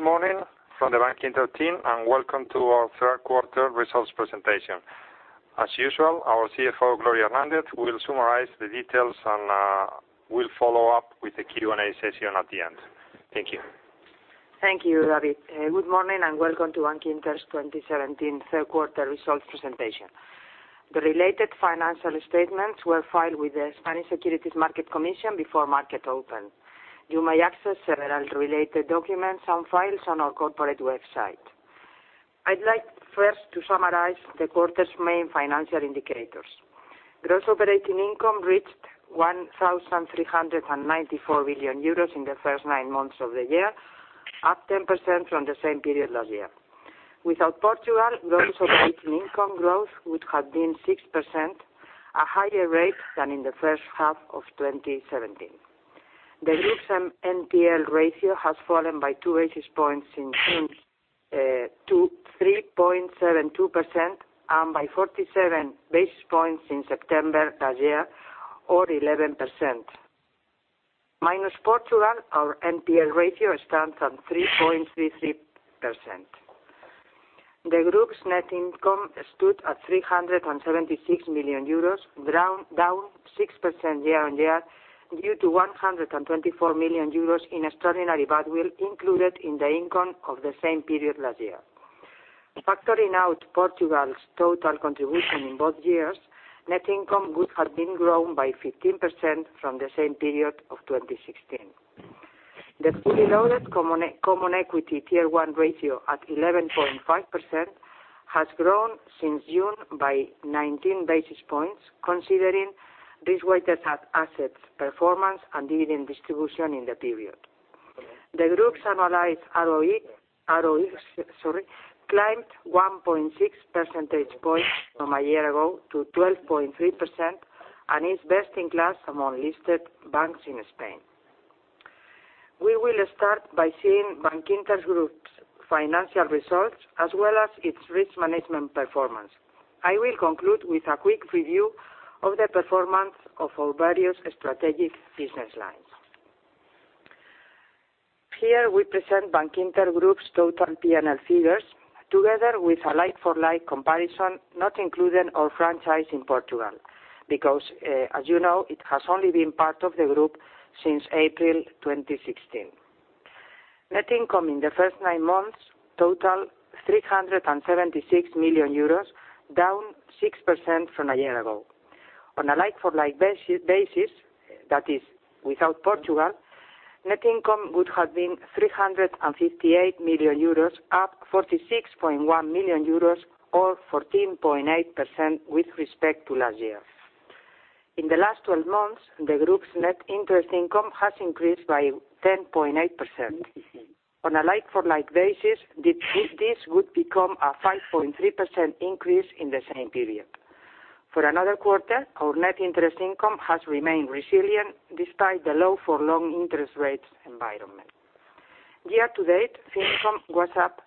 Good morning from the Bankinter team, and welcome to our third-quarter results presentation. As usual, our CFO, Gloria Ortiz Portero, will summarize the details, and we'll follow up with a Q&A session at the end. Thank you. Thank you, David. Good morning, and welcome to Bankinter's 2017 third-quarter results presentation. The related financial statements were filed with the Comisión Nacional del Mercado de Valores before market open. You may access several related documents and files on our corporate website. I'd like first to summarize the quarter's main financial indicators. Gross operating income reached 1,394 million euros in the first nine months of the year, up 10% from the same period last year. Without Portugal, gross operating income growth would have been 6%, a higher rate than in the first half of 2017. The group's NPL ratio has fallen by two basis points to 3.72%, and by 47 basis points since September last year, or 11%. Minus Portugal, our NPL ratio stands at 3.33%. The group's net income stood at 376 million euros, down 6% year-on-year, due to 124 million euros in extraordinary goodwill included in the income of the same period last year. Factoring out Portugal's total contribution in both years, net income would have been grown by 15% from the same period of 2016. The fully loaded common equity Tier 1 ratio at 11.5% has grown since June by 19 basis points, considering risk-weighted assets performance and dividend distribution in the period. The group's annualized ROE climbed 1.6 percentage points from a year ago to 12.3%, and is best in class among listed banks in Spain. We will start by seeing Bankinter Group's financial results, as well as its risk management performance. I will conclude with a quick review of the performance of our various strategic business lines. Here we present Bankinter Group's total P&L figures, together with a like-for-like comparison, not including our franchise in Portugal. Because, as you know, it has only been part of the group since April 2016. Net income in the first nine months totaled 376 million euros, down 6% from a year ago. On a like-for-like basis, that is, without Portugal, net income would have been 358 million euros, up 46.1 million euros, or 14.8%, with respect to last year. In the last 12 months, the group's net interest income has increased by 10.8%. On a like-for-like basis, this would become a 5.3% increase in the same period. For another quarter, our net interest income has remained resilient despite the low-for-long interest rates environment. Year-to-date, fee income was up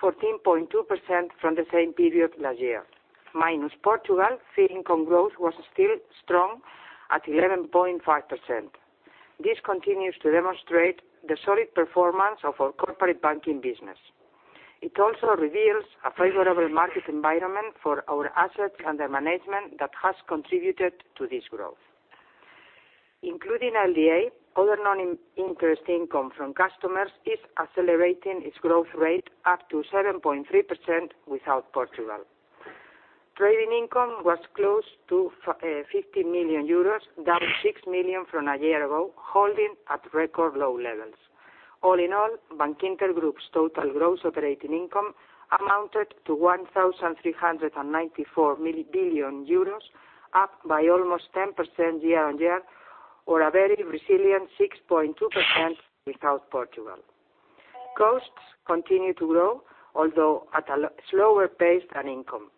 14.2% from the same period last year. Minus Portugal, fee income growth was still strong at 11.5%. This continues to demonstrate the solid performance of our corporate banking business. It also reveals a favorable market environment for our assets under management that has contributed to this growth. Including LDA, other non-interest income from customers is accelerating its growth rate up to 7.3% without Portugal. Trading income was close to 50 million euros, down 6 million from a year ago, holding at record low levels. All in all, Bankinter Group's total gross operating income amounted to 1,394 billion euros, up by almost 10% year-on-year or a very resilient 6.2% without Portugal. Costs continue to grow, although at a slower pace than income.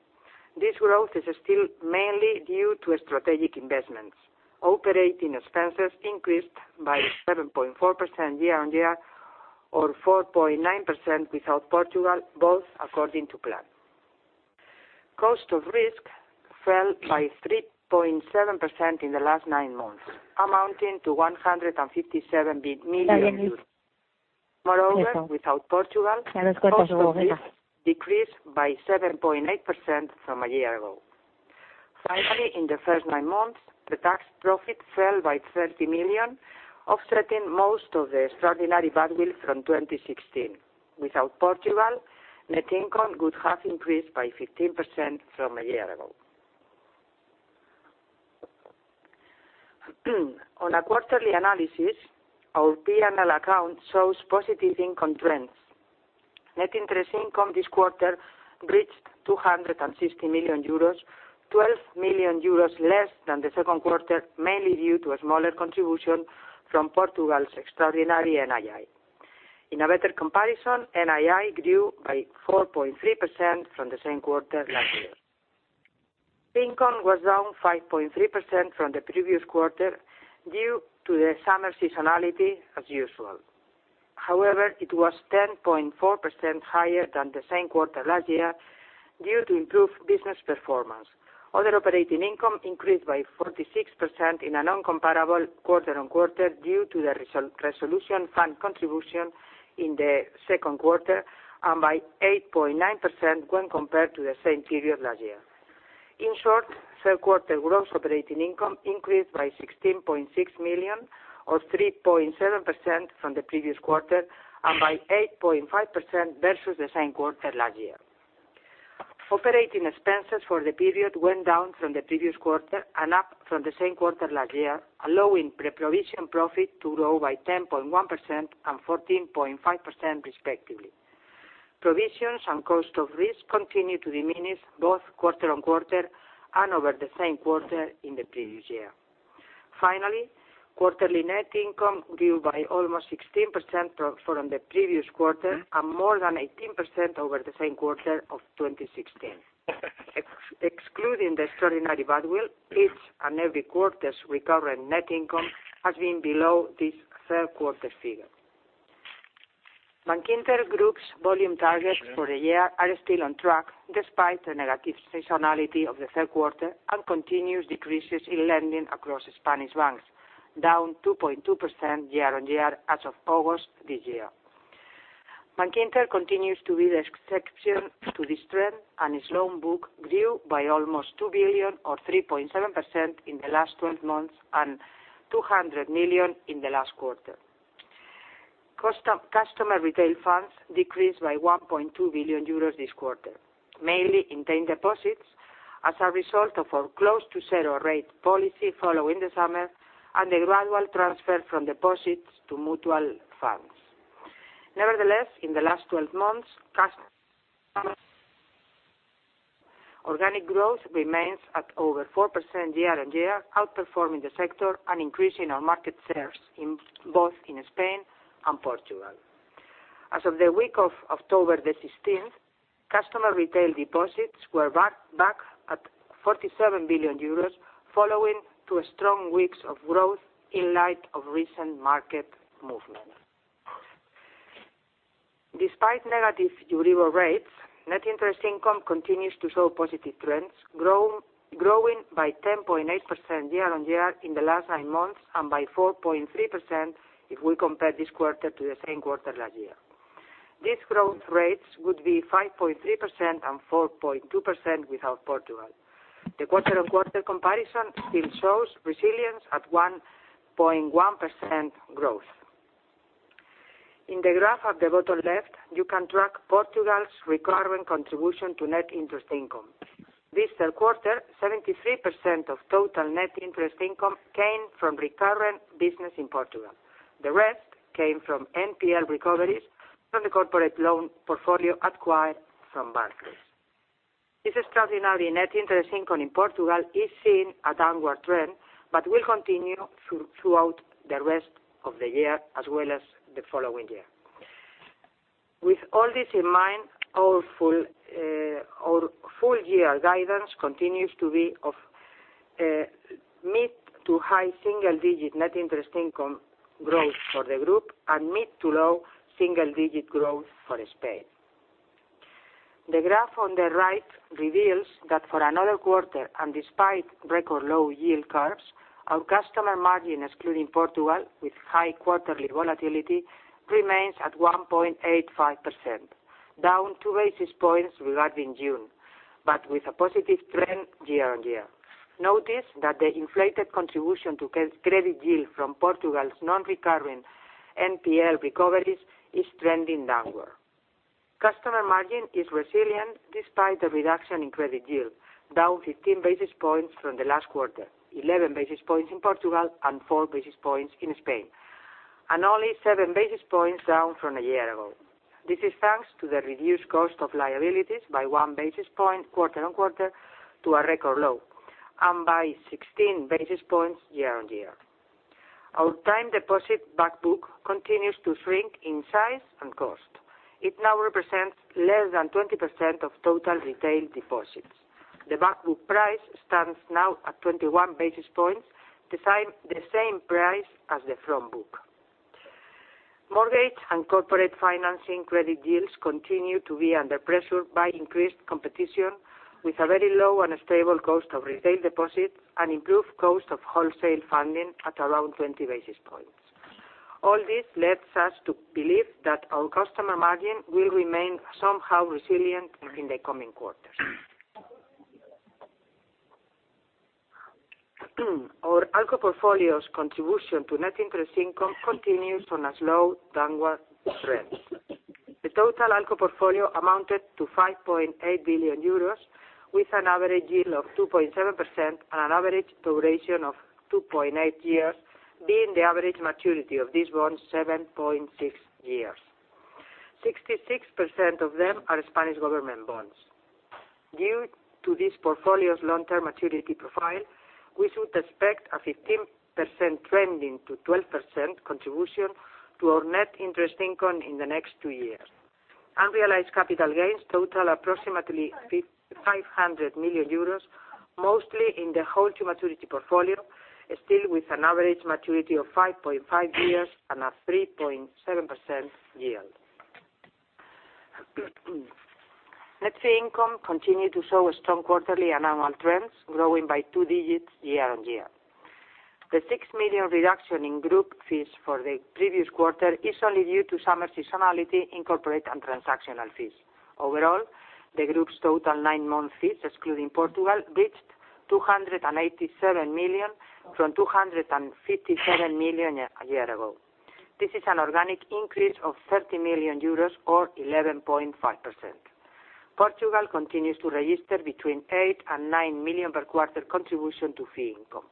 This growth is still mainly due to strategic investments. Operating expenses increased by 7.4% year-on-year or 4.9% without Portugal, both according to plan. Cost of risk fell by 3.7% in the last nine months, amounting to 157 million euros. Without Portugal, cost of risk decreased by 7.8% from a year ago. Finally, in the first nine months, the tax profit fell by 30 million, offsetting most of the extraordinary goodwill from 2016. Without Portugal, net income would have increased by 15% from a year ago. On a quarterly analysis, our P&L account shows positive income trends. Net interest income this quarter reached 260 million euros, 12 million euros less than the second quarter, mainly due to a smaller contribution from Portugal's extraordinary NII. In a better comparison, NII grew by 4.3% from the same quarter last year. Fee income was down 5.3% from the previous quarter due to the summer seasonality, as usual. However, it was 10.4% higher than the same quarter last year due to improved business performance. Other operating income increased by 46% in a non-comparable quarter-on-quarter due to the resolution fund contribution in the second quarter, and by 8.9% when compared to the same period last year. Third quarter gross operating income increased by 16.6 million or 3.7% from the previous quarter, and by 8.5% versus the same quarter last year. Operating expenses for the period went down from the previous quarter and up from the same quarter last year, allowing pre-provision profit to grow by 10.1% and 14.5% respectively. Provisions and cost of risk continue to diminish both quarter-on-quarter and over the same quarter in the previous year. Quarterly net income grew by almost 16% from the previous quarter and more than 18% over the same quarter of 2016. Excluding the extraordinary goodwill, each and every quarter's recurrent net income has been below this third quarter figure. Bankinter Group's volume targets for the year are still on track, despite the negative seasonality of the third quarter and continuous decreases in lending across Spanish banks, down 2.2% year-on-year as of August this year. Bankinter continues to be the exception to this trend, and its loan book grew by almost 2 billion or 3.7% in the last 12 months and 200 million in the last quarter. Customer retail funds decreased by 1.2 billion euros this quarter, mainly in term deposits, as a result of our close to zero rate policy following the summer and the gradual transfer from deposits to mutual funds. In the last 12 months, Organic growth remains at over 4% year-on-year, outperforming the sector and increasing our market shares both in Spain and Portugal. As of the week of October the 16th, customer retail deposits were back at 47 billion euros, following two strong weeks of growth in light of recent market movement. Despite negative Euribor rates, net interest income continues to show positive trends, growing by 10.8% year-on-year in the last nine months, and by 4.3% if we compare this quarter to the same quarter last year. These growth rates would be 5.3% and 4.2% without Portugal. The quarter-on-quarter comparison still shows resilience at 1.1% growth. In the graph at the bottom left, you can track Portugal's recurring contribution to net interest income. This quarter, 73% of total net interest income came from recurring business in Portugal. The rest came from NPL recoveries from the corporate loan portfolio acquired from Barclays. This extraordinary net interest income in Portugal is seeing a downward trend, but will continue throughout the rest of the year, as well as the following year. With all this in mind, our full year guidance continues to be of mid to high single digit net interest income growth for the group and mid to low single digit growth for Spain. The graph on the right reveals that for another quarter, and despite record low yield curves, our customer margin, excluding Portugal, with high quarterly volatility, remains at 1.85%, down two basis points regarding June, but with a positive trend year-on-year. Notice that the inflated contribution to credit yield from Portugal's non-recurring NPL recoveries is trending downward. Customer margin is resilient despite the reduction in credit yield, down 15 basis points from the last quarter, 11 basis points in Portugal and four basis points in Spain, and only seven basis points down from a year ago. This is thanks to the reduced cost of liabilities by one basis point quarter-on-quarter to a record low, and by 16 basis points year-on-year. Our time deposit back book continues to shrink in size and cost. It now represents less than 20% of total retail deposits. The back book price stands now at 21 basis points, the same price as the front book. Mortgage and corporate financing credit yields continue to be under pressure by increased competition, with a very low and stable cost of retail deposits and improved cost of wholesale funding at around 20 basis points. All this leads us to believe that our customer margin will remain somehow resilient in the coming quarters. Our ALCO portfolio's contribution to net interest income continues on a slow downward trend. The total ALCO portfolio amounted to 5.8 billion euros, with an average yield of 2.7% and an average duration of 2.8 years, being the average maturity of these bonds 7.6 years. 66% of them are Spanish government bonds. Due to this portfolio's long-term maturity profile, we should expect a 15% trending to 12% contribution to our net interest income in the next two years. Unrealized capital gains total approximately 500 million euros. Mostly in the held-to-maturity portfolio, still with an average maturity of 5.5 years and a 3.7% yield. Net fee income continued to show strong quarterly and annual trends, growing by two digits year-on-year. The 6 million reduction in group fees for the previous quarter is only due to summer seasonality in corporate and transactional fees. Overall, the group's total 9-month fees, excluding Portugal, reached 287 million from 257 million a year ago. This is an organic increase of 30 million euros or 11.5%. Portugal continues to register between 8 million and 9 million per quarter contribution to fee income.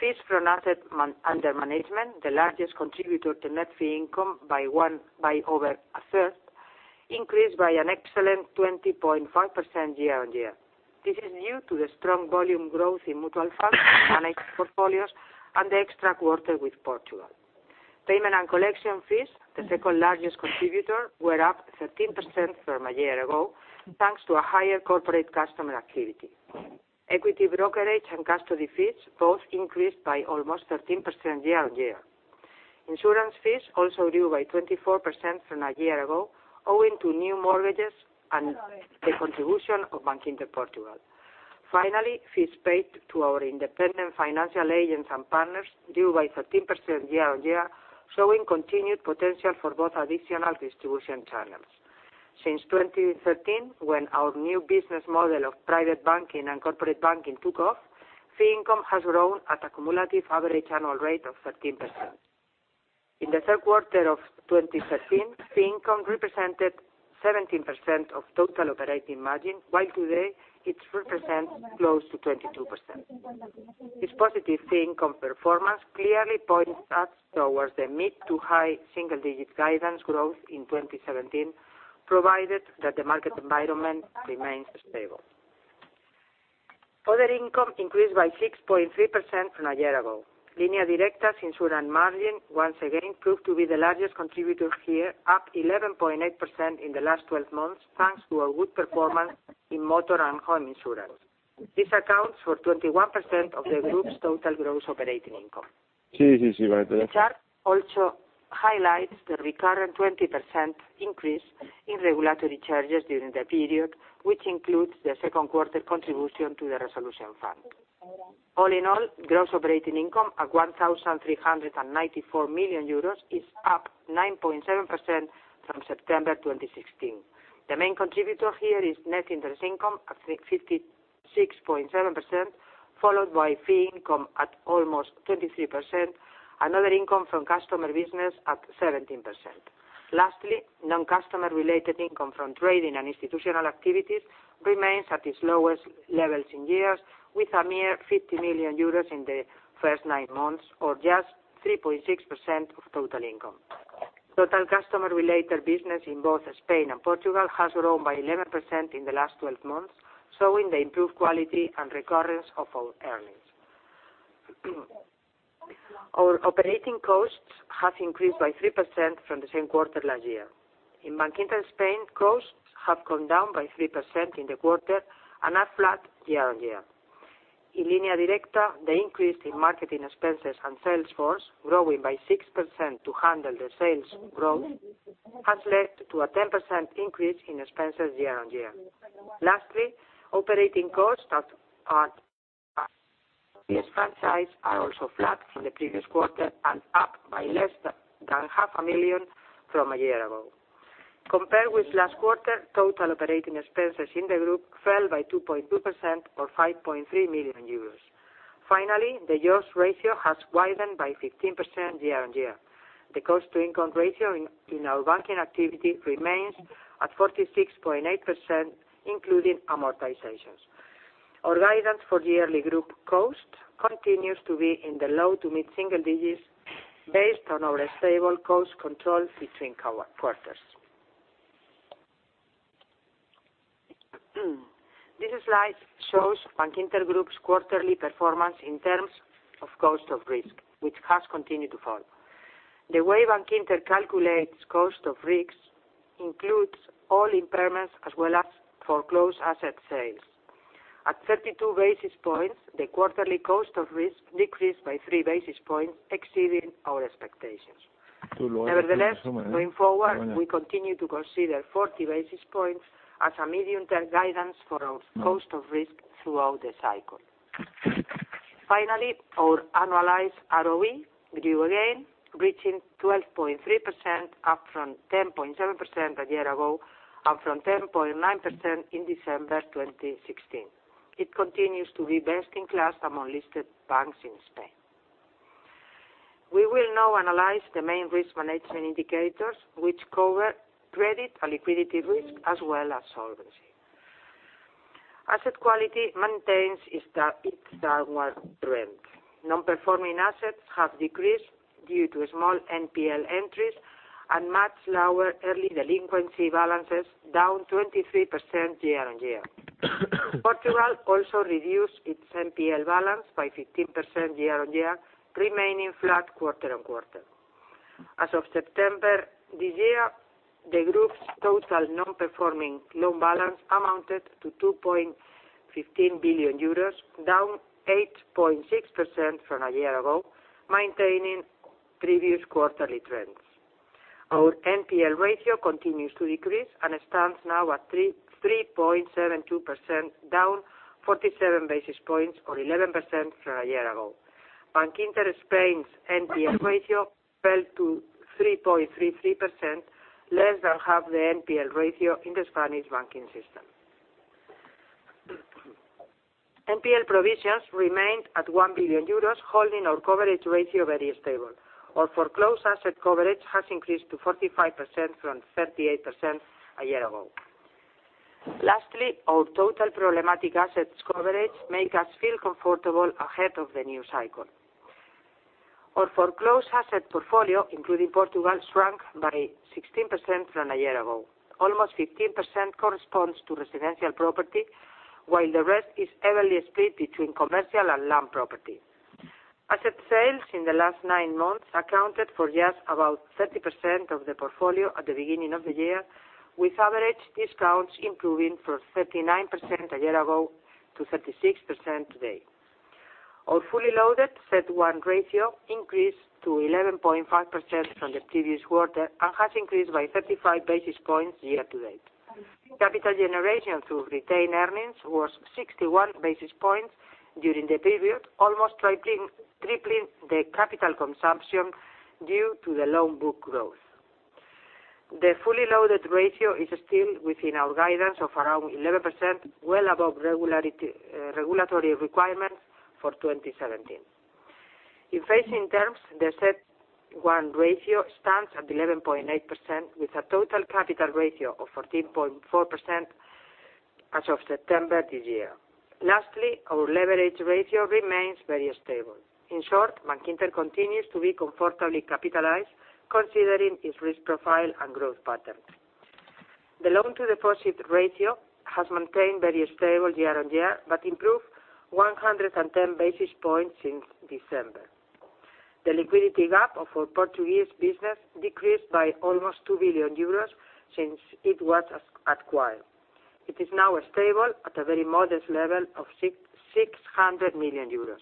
Fees from assets under management, the largest contributor to net fee income by over a third, increased by an excellent 20.5% year-on-year. This is due to the strong volume growth in mutual funds, managed portfolios, and the extra quarter with Portugal. Payment and collection fees, the second-largest contributor, were up 13% from a year ago, thanks to higher corporate customer activity. Equity brokerage and custody fees both increased by almost 13% year-on-year. Insurance fees also grew by 24% from a year ago, owing to new mortgages and the contribution of Bankinter Portugal. Finally, fees paid to our independent financial agents and partners grew by 13% year-on-year, showing continued potential for both additional distribution channels. Since 2013, when our new business model of private banking and corporate banking took off, fee income has grown at a cumulative average annual rate of 13%. In the third quarter of 2013, fee income represented 17% of total operating margin, while today it represents close to 22%. This positive fee income performance clearly points us towards the mid to high single-digit guidance growth in 2017, provided that the market environment remains stable. Other income increased by 6.3% from a year ago. Línea Directa's insurance margin once again proved to be the largest contributor here, up 11.8% in the last 12 months, thanks to a good performance in motor and home insurance. This accounts for 21% of the group's total gross operating income. The chart also highlights the recurrent 20% increase in regulatory charges during the period, which includes the second quarter contribution to the resolution fund. All in all, gross operating income at 1,394 million euros is up 9.7% from September 2016. The main contributor here is net interest income at 56.7%, followed by fee income at almost 23%, and other income from customer business at 17%. Lastly, non-customer-related income from trading and institutional activities remains at its lowest levels in years, with a mere 50 million euros in the first 9 months or just 3.6% of total income. Total customer-related business in both Spain and Portugal has grown by 11% in the last 12 months, showing the improved quality and recurrence of our earnings. Our operating costs have increased by 3% from the same quarter last year. In Bankinter Spain, costs have gone down by 3% in the quarter and are flat year-on-year. In Línea Directa, the increase in marketing expenses and sales force, growing by 6% to handle the sales growth, has led to a 10% increase in expenses year-on-year. Lastly, operating costs at the insurance franchise are also flat from the previous quarter and up by less than half a million from a year ago. Compared with last quarter, total operating expenses in the group fell by 2.2% or 5.3 million euros. Finally, the jaws ratio has widened by 15% year-on-year. The cost-to-income ratio in our banking activity remains at 46.8%, including amortizations. Our guidance for the yearly group cost continues to be in the low- to mid-single digits based on our stable cost control between quarters. This slide shows Bankinter Group's quarterly performance in terms of cost of risk, which has continued to fall. The way Bankinter calculates cost of risks includes all impairments as well as foreclosed asset sales. At 32 basis points, the quarterly cost of risk decreased by three basis points, exceeding our expectations. Nevertheless, going forward, we continue to consider 40 basis points as a medium-term guidance for our cost of risk throughout the cycle. Finally, our annualized ROE grew again, reaching 12.3%, up from 10.7% a year ago, up from 10.9% in December 2016. It continues to be best in class among listed banks in Spain. We will now analyze the main risk management indicators, which cover credit and liquidity risk, as well as solvency. Asset quality maintains its downward trend. Non-performing assets have decreased due to small NPL entries and much lower early delinquency balances, down 23% year-on-year. Portugal also reduced its NPL balance by 15% year-on-year, remaining flat quarter-on-quarter. As of September this year, the group's total non-performing loan balance amounted to 2.15 billion euros, down 8.6% from a year ago, maintaining previous quarterly trends. Our NPL ratio continues to decrease and stands now at 3.72%, down 47 basis points or 11% from a year ago. Bankinter Spain's NPL ratio fell to 3.33%, less than half the NPL ratio in the Spanish banking system. NPL provisions remained at 1 billion euros, holding our coverage ratio very stable. Our foreclosed asset coverage has increased to 45% from 38% a year ago. Lastly, our total problematic assets coverage make us feel comfortable ahead of the new cycle. Our foreclosed asset portfolio, including Portugal, shrunk by 16% from a year ago. Almost 15% corresponds to residential property, while the rest is evenly split between commercial and land property. Asset sales in the last nine months accounted for just about 30% of the portfolio at the beginning of the year, with average discounts improving from 39% a year ago to 36% today. Our fully loaded CET1 ratio increased to 11.5% from the previous quarter and has increased by 35 basis points year-to-date. Capital generation through retained earnings was 61 basis points during the period, almost tripling the capital consumption due to the loan book growth. The fully loaded ratio is still within our guidance of around 11%, well above regulatory requirements for 2017. In phasing-in terms, the CET1 ratio stands at 11.8%, with a total capital ratio of 14.4% as of September this year. Lastly, our leverage ratio remains very stable. In short, Bankinter continues to be comfortably capitalized considering its risk profile and growth patterns. The loan-to-deposit ratio has maintained very stable year-on-year, but improved 110 basis points since December. The liquidity gap of our Portuguese business decreased by almost 2 billion euros since it was acquired. It is now stable at a very modest level of 600 million euros.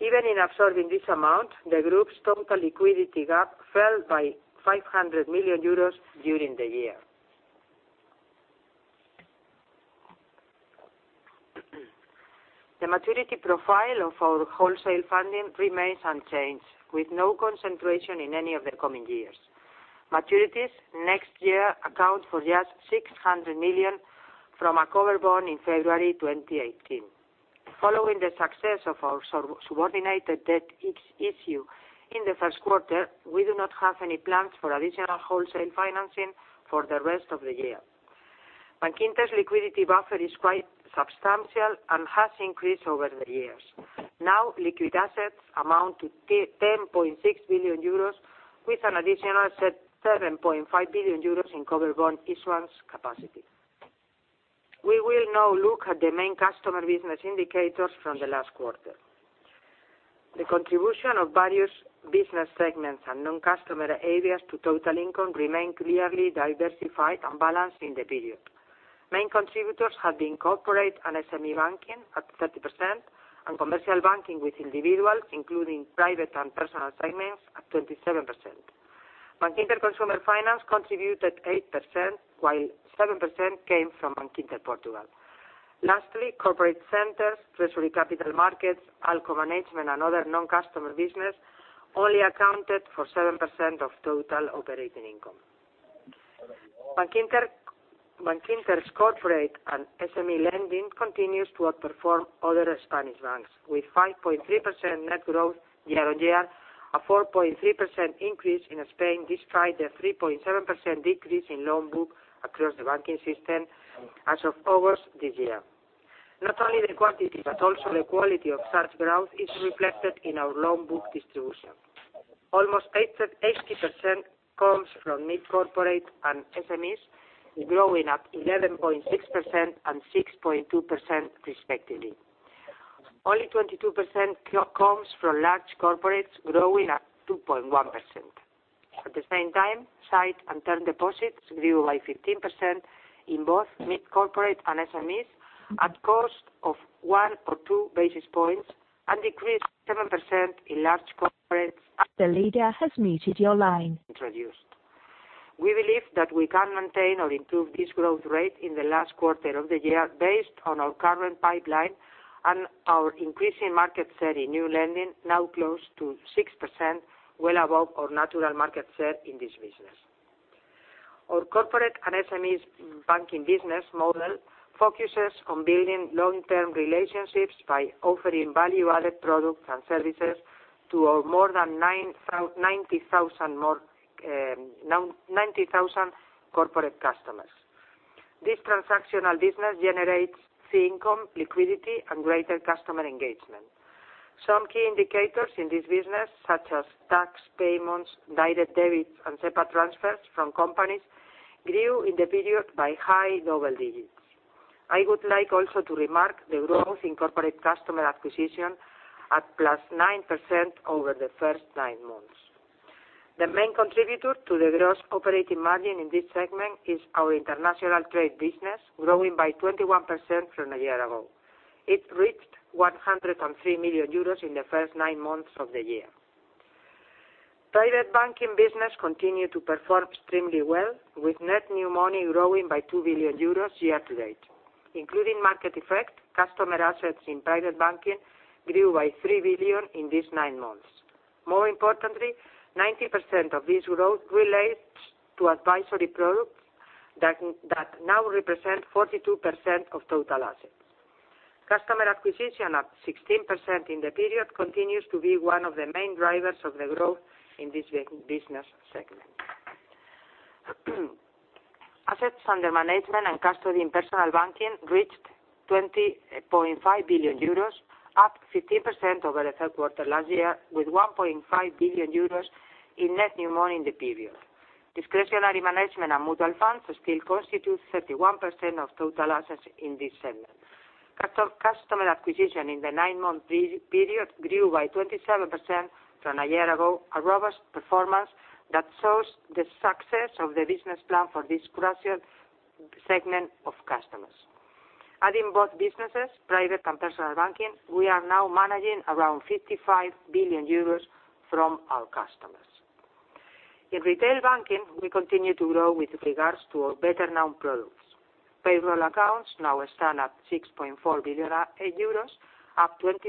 Even in absorbing this amount, the group's total liquidity gap fell by 500 million euros during the year. The maturity profile of our wholesale funding remains unchanged, with no concentration in any of the coming years. Maturities next year account for just 600 million from a covered bond in February 2018. Following the success of our subordinated debt issue in the first quarter, we do not have any plans for additional wholesale financing for the rest of the year. Bankinter's liquidity buffer is quite substantial and has increased over the years. Now, liquid assets amount to 10.6 billion euros, with an additional 7.5 billion euros in cover bond issuance capacity. We will now look at the main customer business indicators from the last quarter. The contribution of various business segments and non-customer areas to total income remained clearly diversified and balanced in the period. Main contributors have been corporate and SME banking at 30%, and commercial banking with individuals, including private and personal segments, at 27%. Bankinter Consumer Finance contributed 8%, while 7% came from Bankinter Portugal. Lastly, corporate centers, treasury capital markets, ALCO management, and other non-customer business only accounted for 7% of total operating income. Bankinter's corporate and SME lending continues to outperform other Spanish banks, with 5.3% net growth year-on-year, a 4.3% increase in Spain, despite a 3.7% decrease in loan book across the banking system as of August this year. Not only the quantity, but also the quality of such growth is reflected in our loan book distribution. Almost 80% comes from mid-corporate and SMEs, growing at 11.6% and 6.2% respectively. Only 22% comes from large corporates, growing at 2.1%. At the same time, sight and term deposits grew by 15% in both mid-corporate and SMEs at cost of one or two basis points, and decreased 7% in large corporates. The leader has muted your line. Introduced. We believe that we can maintain or improve this growth rate in the last quarter of the year based on our current pipeline and our increasing market share in new lending, now close to 6%, well above our natural market share in this business. Our corporate and SMEs banking business model focuses on building long-term relationships by offering value-added products and services to our more than 90,000 corporate customers. This transactional business generates fee income, liquidity, and greater customer engagement. Some key indicators in this business, such as tax payments, direct debits, and SEPA transfers from companies, grew in the period by high double digits. I would like also to remark the growth in corporate customer acquisition at plus 9% over the first nine months. The main contributor to the gross operating margin in this segment is our international trade business, growing by 21% from a year ago. It reached 103 million euros in the first nine months of the year. Private banking business continued to perform extremely well, with net new money growing by 2 billion euros year-to-date. Including market effect, customer assets in private banking grew by 3 billion in these nine months. More importantly, 90% of this growth relates to advisory products that now represent 42% of total assets. Customer acquisition at 16% in the period continues to be one of the main drivers of the growth in this business segment. Assets under management and custody in personal banking reached 20.5 billion euros, up 15% over the third quarter last year, with 1.5 billion euros in net new money in the period. Discretionary management and mutual funds still constitute 31% of total assets in this segment. Customer acquisition in the nine-month period grew by 27% from a year ago, a robust performance that shows the success of the business plan for this segment of customers. Adding both businesses, private and personal banking, we are now managing around 55 billion euros from our customers. In retail banking, we continue to grow with regards to our better-known products. Payroll accounts now stand at 6.4 billion euros, up 26%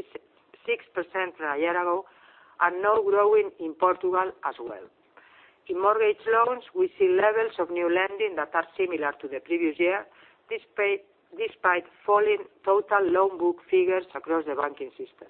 from a year ago, and now growing in Portugal as well. In mortgage loans, we see levels of new lending that are similar to the previous year, despite falling total loan book figures across the banking system.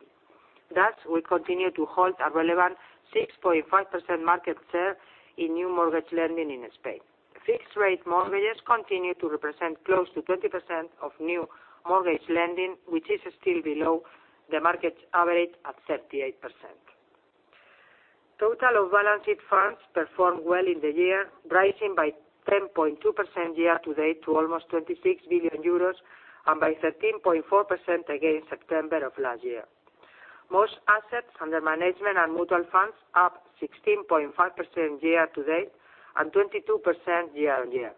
Thus, we continue to hold a relevant 6.5% market share in new mortgage lending in Spain. Fixed rate mortgages continue to represent close to 20% of new mortgage lending, which is still below the market's average at 38%. Total off-balance sheet funds performed well in the year, rising by 10.2% year-to-date to almost EUR 26 billion and by 13.4% against September of last year. Most assets under management and mutual funds up 16.5% year-to-date and 22% year-on-year.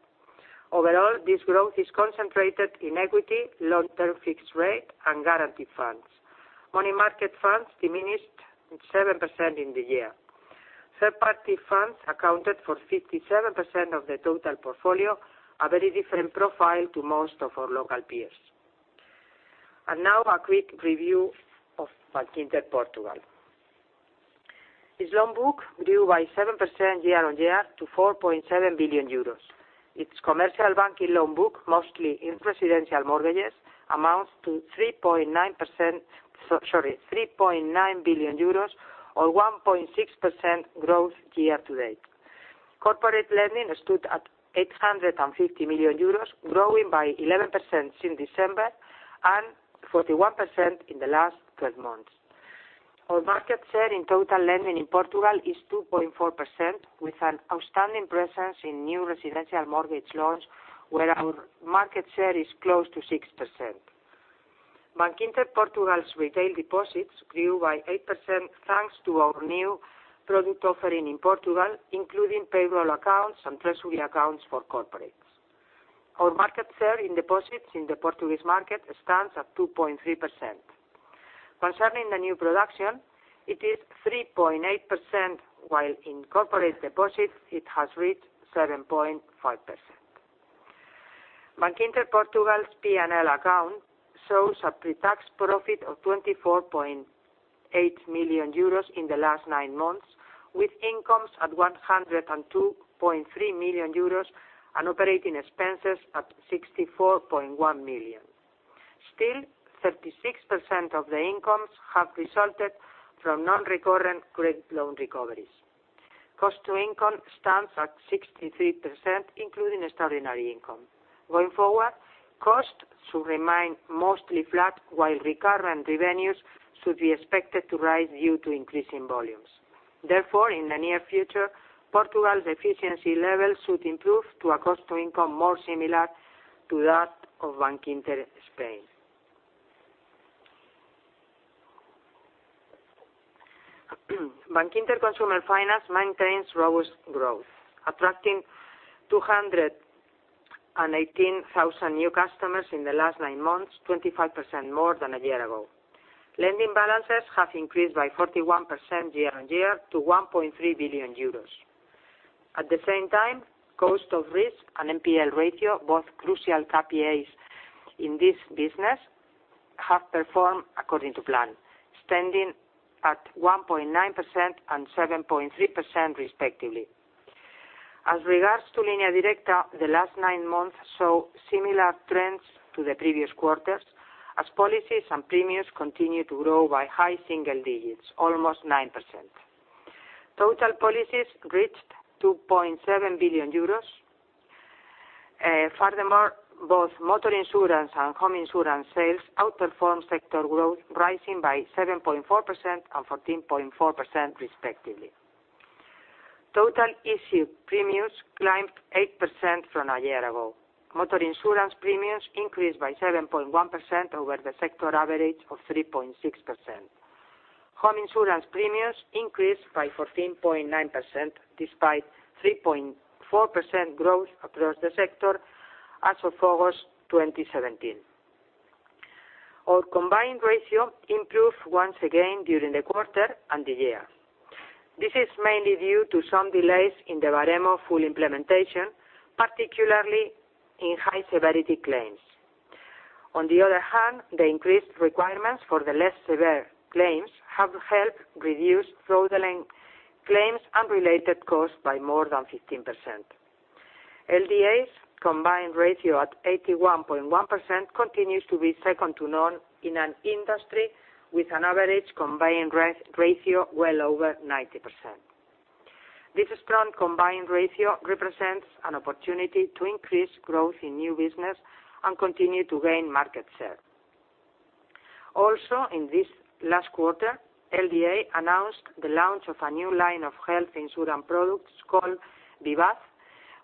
Overall, this growth is concentrated in equity, long-term fixed rate, and guaranteed funds. Money market funds diminished 7% in the year. Third-party funds accounted for 57% of the total portfolio, a very different profile to most of our local peers. Now a quick review of Bankinter Portugal. Its loan book grew by 7% year-on-year to 4.7 billion euros. Its commercial banking loan book, mostly in residential mortgages, amounts to 3.9 billion euros or 1.6% growth year-to-date. Corporate lending stood at 850 million euros, growing by 11% since December and 41% in the last 12 months. Our market share in total lending in Portugal is 2.4%, with an outstanding presence in new residential mortgage loans, where our market share is close to 6%. Bankinter Portugal's retail deposits grew by 8% thanks to our new product offering in Portugal, including payroll accounts and treasury accounts for corporates. Our market share in deposits in the Portuguese market stands at 2.3%. Concerning the new production, it is 3.8%, while in corporate deposits, it has reached 7.5%. Bankinter Portugal's P&L account shows a pre-tax profit of 24.8 million euros in the last nine months, with incomes at 102.3 million euros and operating expenses at 64.1 million. Still, 36% of the incomes have resulted from non-recurrent credit loan recoveries. cost-to-income stands at 63%, including extraordinary income. Going forward, costs should remain mostly flat, while recurrent revenues should be expected to rise due to increasing volumes. Therefore, in the near future, Portugal's efficiency level should improve to a cost-to-income more similar to that of Bankinter Spain. Bankinter Consumer Finance maintains robust growth, attracting 218,000 new customers in the last nine months, 25% more than a year ago. Lending balances have increased by 41% year-over-year to 1.3 billion euros. At the same time, cost of risk and NPL ratio, both crucial KPIs in this business, have performed according to plan, standing at 1.9% and 7.3%, respectively. As regards to Línea Directa, the last nine months saw similar trends to the previous quarters, as policies and premiums continued to grow by high single digits, almost 9%. Total policies reached 2.7 billion euros. Both motor insurance and home insurance sales outperformed sector growth, rising by 7.4% and 14.4%, respectively. Total issue premiums climbed 8% from a year ago. Motor insurance premiums increased by 7.1% over the sector average of 3.6%. Home insurance premiums increased by 14.9%, despite 3.4% growth across the sector as of August 2017. Our combined ratio improved once again during the quarter and the year. This is mainly due to some delays in the Baremo full implementation, particularly in high-severity claims. The increased requirements for the less severe claims have helped reduce fraudulent claims and related costs by more than 15%. LDA's combined ratio at 81.1% continues to be second to none in an industry with an average combined ratio well over 90%. This strong combined ratio represents an opportunity to increase growth in new business and continue to gain market share. In this last quarter, LDA announced the launch of a new line of health insurance products called Vivaz,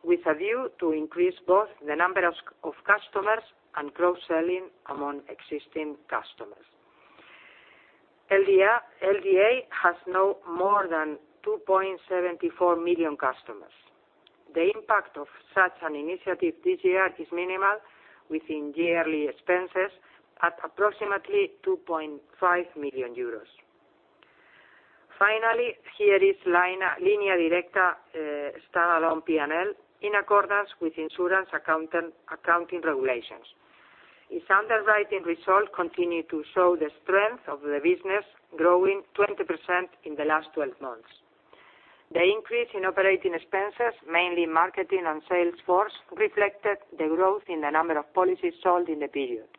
with a view to increase both the number of customers and cross-selling among existing customers. LDA has now more than 2.74 million customers. The impact of such an initiative this year is minimal, within yearly expenses at approximately 2.5 million euros. Here is Línea Directa standalone P&L in accordance with insurance accounting regulations. Its underwriting results continue to show the strength of the business, growing 20% in the last 12 months. The increase in operating expenses, mainly marketing and sales force, reflected the growth in the number of policies sold in the period.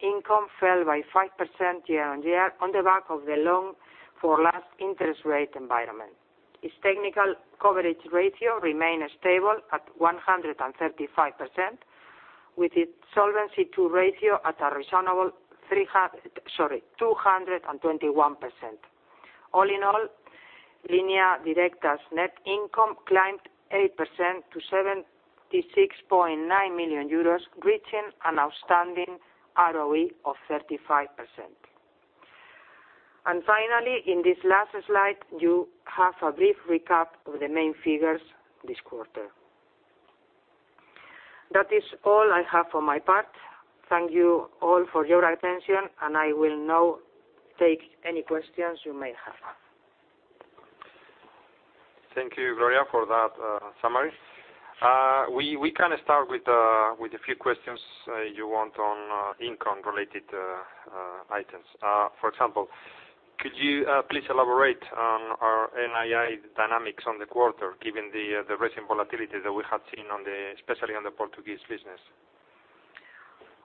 Income fell by 5% year-over-year on the back of the low for long interest rate environment. Its technical coverage ratio remained stable at 135%, with its Solvency II ratio at a reasonable 221%. Línea Directa's net income climbed 8% to 76.9 million euros, reaching an outstanding ROE of 35%. In this last slide, you have a brief recap of the main figures this quarter. That is all I have for my part. Thank you all for your attention, and I will now take any questions you may have. Thank you, Gloria, for that summary. We can start with a few questions you want on income related items. For example, could you please elaborate on our NII dynamics on the quarter, given the recent volatility that we have seen, especially on the Bankinter Portugal business?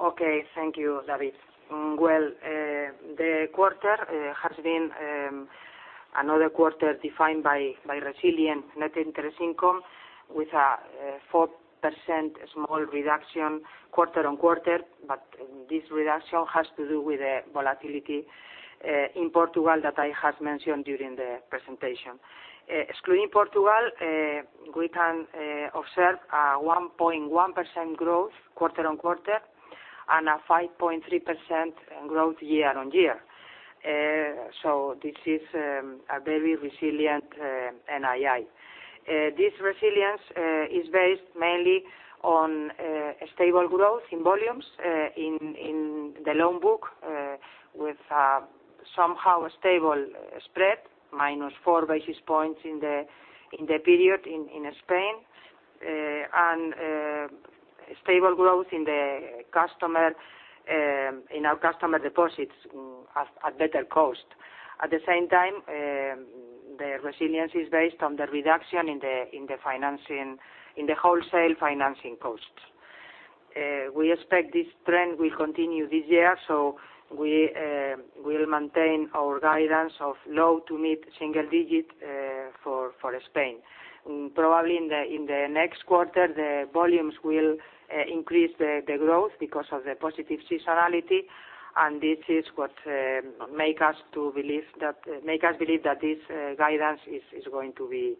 Okay. Thank you, David. Well, the quarter has been another quarter defined by resilient net interest income with a 4% small reduction quarter-over-quarter, this reduction has to do with the volatility in Bankinter Portugal that I have mentioned during the presentation. Excluding Bankinter Portugal, we can observe a 1.1% growth quarter-over-quarter and a 5.3% growth year-over-year. This is a very resilient NII. This resilience is based mainly on a stable growth in volumes in the loan book, with somehow a stable spread, - four basis points in the period in Spain, and stable growth in our customer deposits at better cost. At the same time, the resilience is based on the reduction in the wholesale financing costs. We expect this trend will continue this year, we will maintain our guidance of low to mid single digit for Spain. Probably in the next quarter, the volumes will increase the growth because of the positive seasonality, and this is what make us believe that this guidance is going to be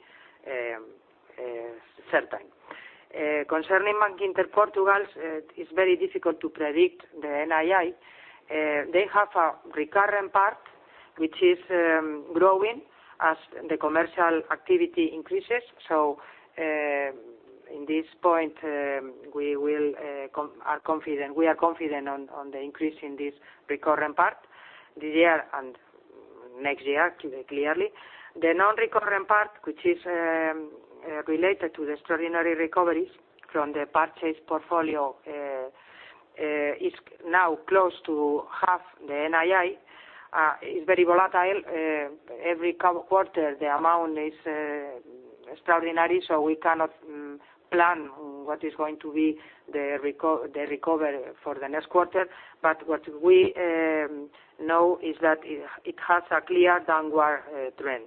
certain. Concerning Bankinter Portugal, it's very difficult to predict the NII. They have a recurrent part, which is growing as the commercial activity increases. In this point, we are confident on the increase in this recurrent part this year and next year, clearly. The non-recurrent part, which is related to the extraordinary recoveries from the purchase portfolio, is now close to half the NII. It's very volatile. Every quarter, the amount is extraordinary, we cannot plan what is going to be the recovery for the next quarter. What we know is that it has a clear downward trend.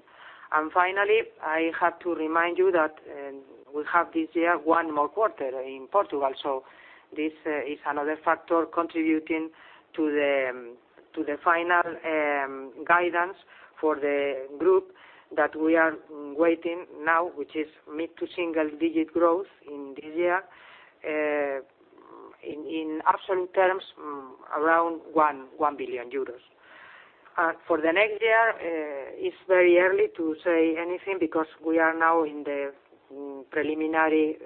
Finally, I have to remind you that we have this year one more quarter in Bankinter Portugal. This is another factor contributing to the final guidance for the Bankinter Group that we are waiting now, which is mid to single-digit growth in this year. In absolute terms, around 1 billion euros. For the next year, it's very early to say anything because we are now in the preliminary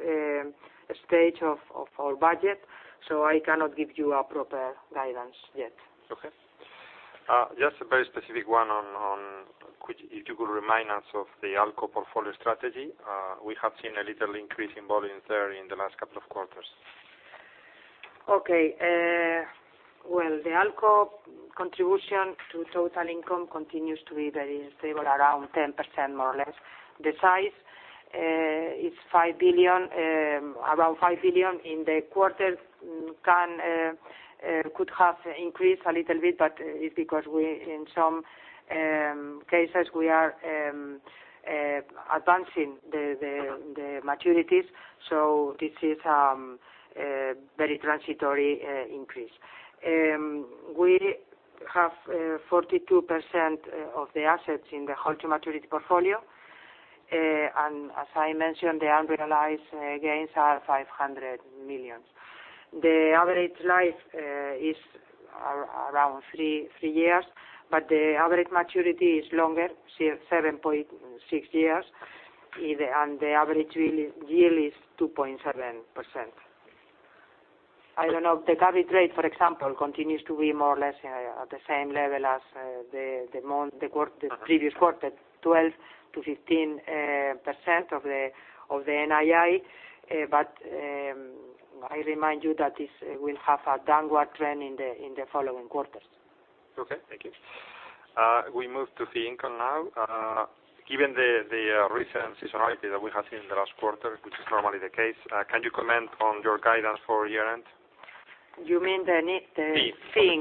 stage of our budget, I cannot give you a proper guidance yet. Okay. Just a very specific one on, if you could remind us of the ALCO portfolio strategy. We have seen a little increase in volume there in the last couple of quarters. Okay. Well, the ALCO contribution to total income continues to be very stable, around 10% more or less. The size is around 5 billion in the quarter, could have increased a little bit, but it's because in some cases we are advancing the maturities. This is a very transitory increase. We have 42% of the assets in the held-to-maturity portfolio. As I mentioned, the unrealized gains are 500 million. The average life is around three years, but the average maturity is longer, 7.6 years. The average yield is 2.7%. I don't know, the coverage rate, for example, continues to be more or less at the same level as the previous quarter, 12%-15% of the NII. I remind you that this will have a downward trend in the following quarters. Okay. Thank you. We move to fee income now. Given the recent seasonality that we have seen in the last quarter, which is normally the case, can you comment on your guidance for year-end? You mean the net- Fee fee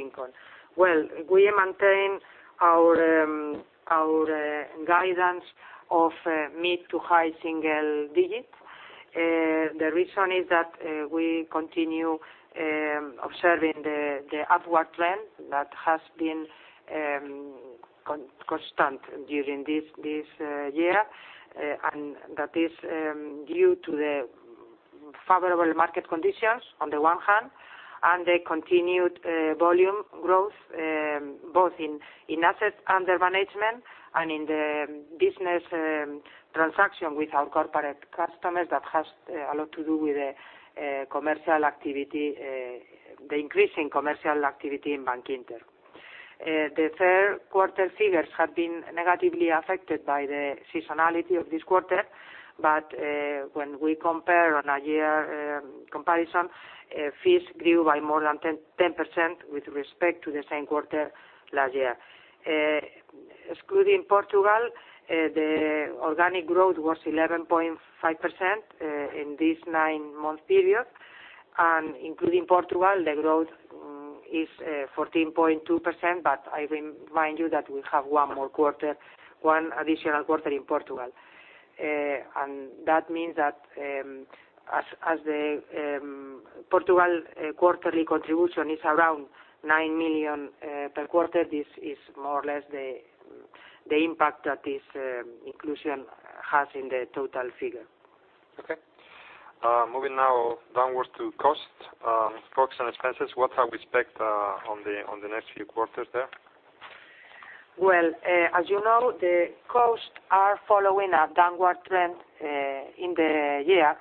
income. Well, we maintain our guidance of mid to high single digits. The reason is that we continue observing the upward trend that has been constant during this year, that is due to the favorable market conditions on the one hand, the continued volume growth both in assets under management and in the business transaction with our corporate customers. That has a lot to do with the increasing commercial activity in Bankinter. The third quarter figures have been negatively affected by the seasonality of this quarter, when we compare on a year-on-year comparison, fees grew by more than 10% with respect to the same quarter last year. Excluding Portugal, the organic growth was 11.5% in this nine-month period. Including Portugal, the growth is 14.2%, but I remind you that we have one additional quarter in Portugal. That means that as Portugal quarterly contribution is around 9 million per quarter, this is more or less the impact that this inclusion has in the total figure. Okay. Moving now downwards to cost, staff and expenses. What are we expect on the next few quarters there? Well, as you know, the costs are following a downward trend in the year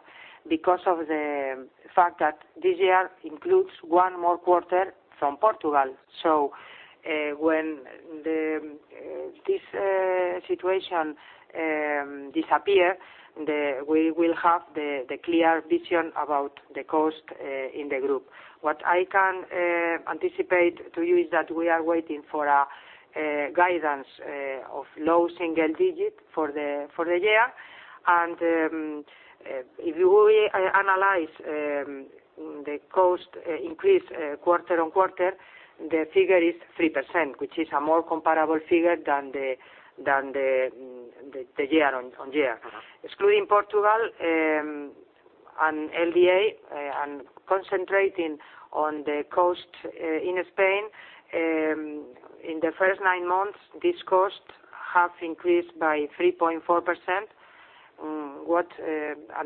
because of the fact that this year includes one more quarter from Portugal. When this situation disappear, we will have the clear vision about the cost in the group. What I can anticipate to you is that we are waiting for a guidance of low single digit for the year. If you analyze the cost increase quarter-on-quarter, the figure is 3%, which is a more comparable figure than the year-on-year. Excluding Portugal and LDA and concentrating on the cost in Spain, in the first nine months, this cost have increased by 3.4%,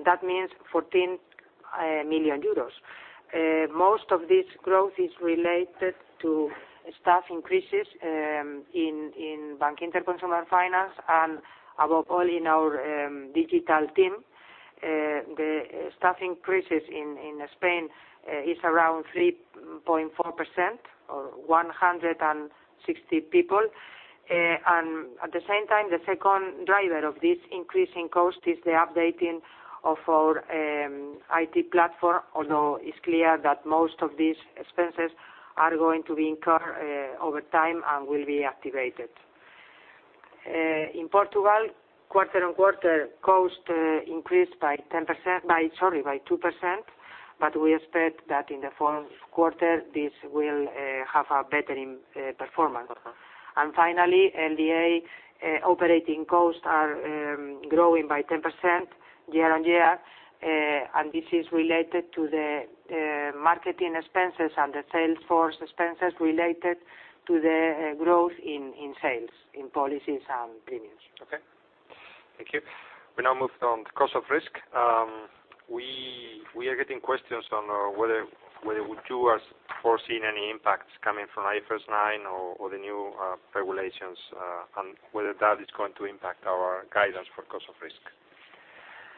that means 14 million euros. Most of this growth is related to staff increases in Bankinter Consumer Finance, and above all, in our digital team. The staff increases in Spain is around 3.4%, or 160 people. At the same time, the second driver of this increasing cost is the updating of our IT platform, although it is clear that most of these expenses are going to be incurred over time and will be activated. In Portugal, quarter-on-quarter, cost increased by 2%. We expect that in the fourth quarter, this will have a better performance. Finally, LDA operating costs are growing by 10% year-on-year. This is related to the marketing expenses and the sales force expenses related to the growth in sales, in policies and premiums. Okay. Thank you. We now move on to cost of risk. We are getting questions on whether you are foreseeing any impacts coming from IFRS 9 or the new regulations, and whether that is going to impact our guidance for cost of risk,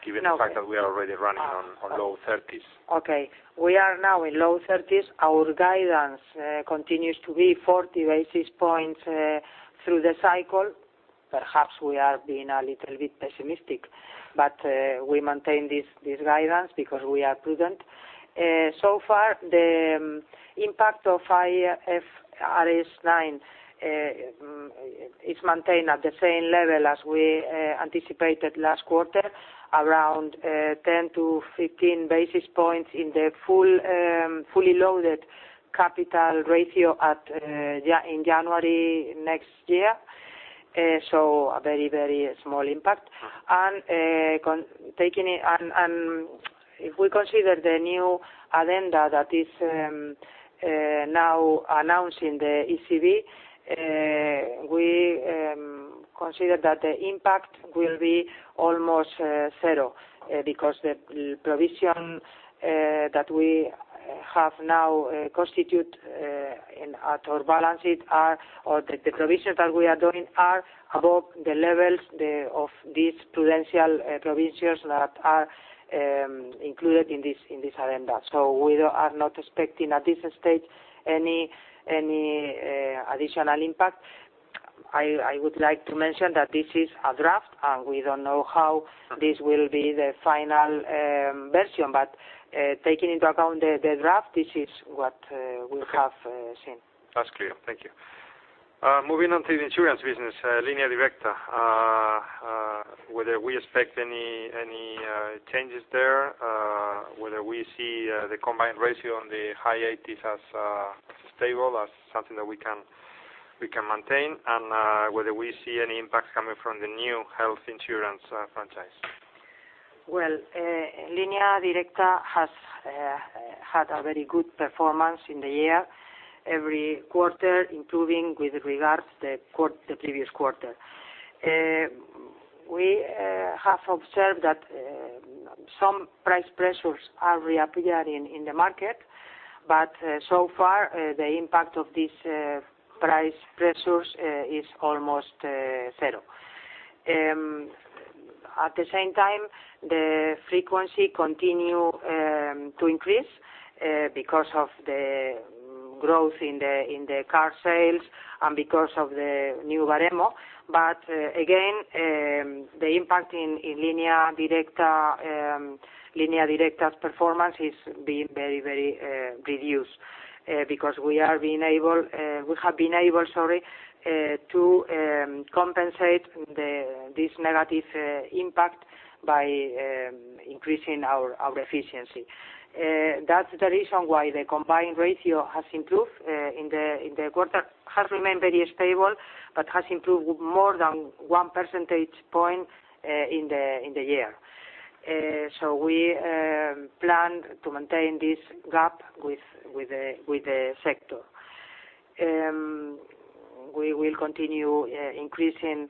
given the fact that we are already running on low 30s. Okay. We are now in low 30s. Our guidance continues to be 40 basis points through the cycle. Perhaps we are being a little bit pessimistic. We maintain this guidance because we are prudent. So far, the impact of IFRS 9 is maintained at the same level as we anticipated last quarter, around 10 to 15 basis points in the fully loaded capital ratio in January next year. A very, very small impact. If we consider the new addenda that is now announced in the ECB, we consider that the impact will be almost zero, because the provision that we have now constitute at our balance sheet, or the provisions that we are doing are above the levels of these prudential provisions that are included in this addenda. We are not expecting, at this stage, any additional impact. I would like to mention that this is a draft, and we do not know how this will be the final version. Taking into account the draft, this is what we have seen. That's clear. Thank you. Moving on to the insurance business, Línea Directa, whether we expect any changes there, whether we see the combined ratio on the high 80s as stable, as something that we can maintain, and whether we see any impact coming from the new health insurance franchise. Well, Línea Directa has had a very good performance in the year, every quarter improving with regards the previous quarter. We have observed that some price pressures are reappearing in the market, but so far, the impact of these price pressures is almost zero. At the same time, the frequency continue to increase because of the growth in the car sales and because of the new Baremo. Again, the impact in Línea Directa performance is being very reduced, because we have been able to compensate this negative impact by increasing our efficiency. That's the reason why the combined ratio has improved in the quarter, has remained very stable, but has improved more than one percentage point in the year. We plan to maintain this gap with the sector. We will continue to increase in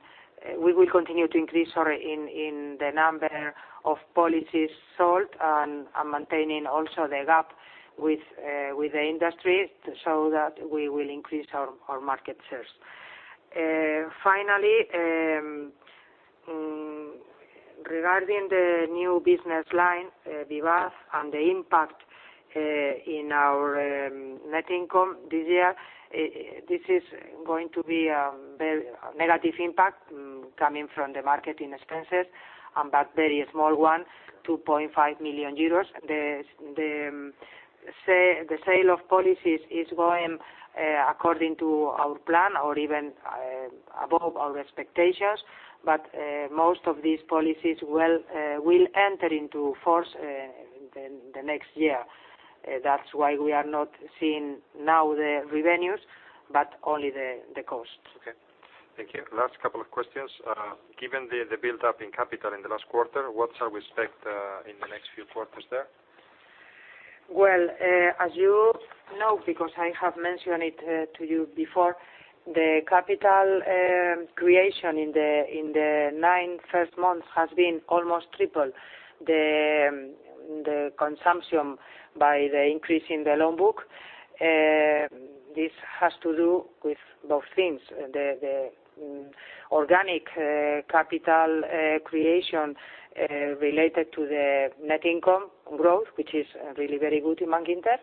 the number of policies sold and maintaining also the gap with the industry so that we will increase our market shares. Finally, regarding the new business line, Vivaz, and the impact in our net income this year, this is going to be a negative impact coming from the marketing expenses, but very small one, 2.5 million euros. The sale of policies is going according to our plan or even above our expectations. Most of these policies will enter into force the next year. That's why we are not seeing now the revenues, but only the cost. Okay. Thank you. Last couple of questions. Given the buildup in capital in the last quarter, what shall we expect in the next few quarters there? Well, as you know, because I have mentioned it to you before, the capital creation in the nine first months has been almost triple. The consumption by the increase in the loan book, this has to do with both things. The organic capital creation related to the net income growth, which is really very good in Bankinter.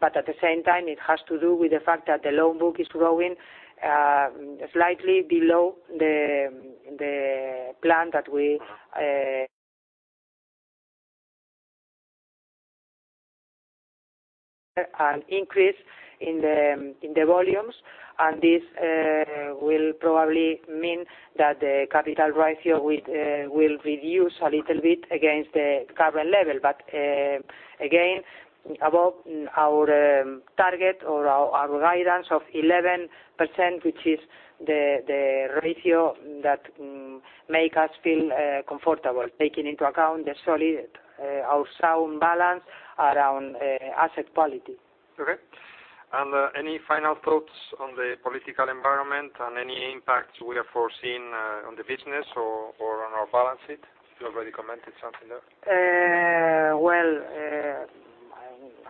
At the same time, it has to do with the fact that the loan book is growing slightly below the plan that an increase in the volumes, this will probably mean that the capital ratio will reduce a little bit against the current level. Again, above our target or our guidance of 11, which is the ratio that make us feel comfortable, taking into account our sound balance around asset quality. Okay. Any final thoughts on the political environment and any impacts we have foreseen on the business or on our balance sheet? You already commented something there. Well,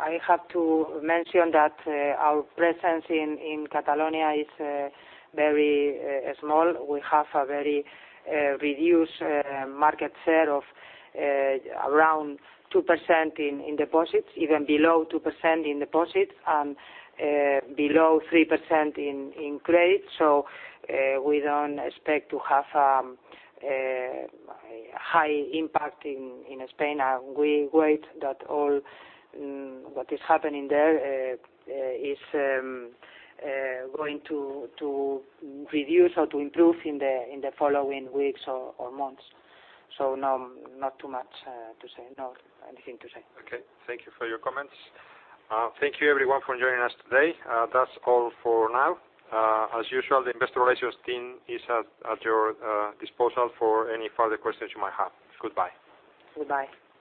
I have to mention that our presence in Catalonia is very small. We have a very reduced market share of around 2% in deposits, even below 2% in deposits, and below 3% in credit. We don't expect to have a high impact in Spain. We wait that all what is happening there is going to reduce or to improve in the following weeks or months. No, not too much to say. No, anything to say. Okay. Thank you for your comments. Thank you everyone for joining us today. That's all for now. As usual, the investor relations team is at your disposal for any further questions you might have. Goodbye. Goodbye.